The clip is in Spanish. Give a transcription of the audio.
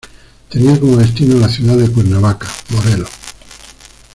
Tenía como destino la ciudad de Cuernavaca, Morelos.